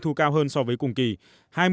thu cao hơn so với cùng kỳ